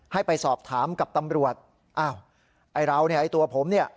ให้ไปสอบถามกับตำรวจอ้าวไอ้เราเนี่ยไอ้ตัวผมเนี่ย